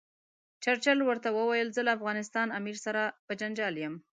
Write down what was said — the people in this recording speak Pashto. چرچل ورته وویل زه له افغانستان امیر سره په جنجال یم.